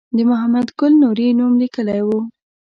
د محمد ګل نوري نوم لیکلی و.